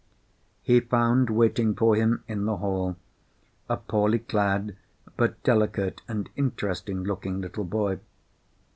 He found waiting for him, in the hall, a poorly clad but delicate and interesting looking little boy.